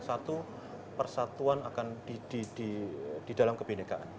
satu persatuan akan didalam kebenekaan